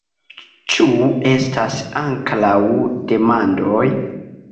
Ĉu estas ankoraŭ demandoj?